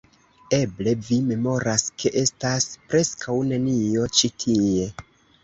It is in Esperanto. Eble, vi memoras, ke estas preskaŭ nenio ĉi tie